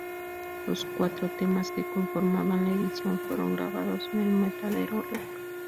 Los cuatro temas que conformaban la edición fueron grabados en el Matadero Rec.